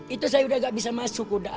itu saya udah nggak bisa masuk udah